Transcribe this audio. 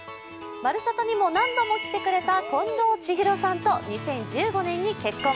「まるサタ」にも何度も来てくれた近藤千尋さんと２０１５年に結婚。